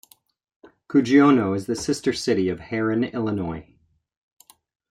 Cuggiono is the sister city of Herrin, Illinois.